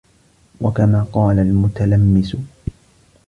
وَكَمَا قَالَ الْمُتَلَمِّسُ